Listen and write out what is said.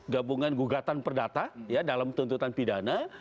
gabungan gugatan perdata dalam tuntutan pidana